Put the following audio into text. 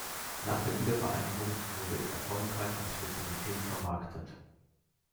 Nach der Wiedervereinigung wurde es erfolgreich als Spezialität vermarktet.